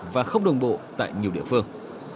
và không đồng bộ tại nhiều địa phương